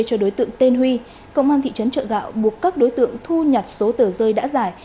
cho đối tượng tên huy công an thị trấn trợ gạo buộc các đối tượng thu nhặt số tờ rơi đã giải